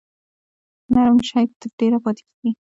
نرم شی تر ډیره پاتې کیږي.